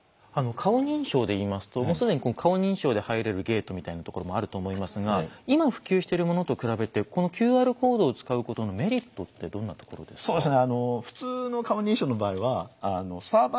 顔認証でいいますと既に顔認証で入れるゲートみたいなところもあると思いますが今普及してるものと比べてこのＱＲコードを使うことのメリットってどんなところですか？